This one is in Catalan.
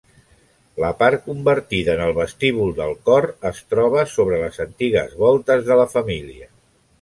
La part convertida en el vestíbul del cor es troba sobre les antigues voltes de la família.